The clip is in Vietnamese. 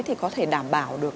thì có thể đảm bảo được